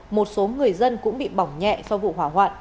một số người dân cũng bị bỏng nhẹ sau vụ hỏa hoạn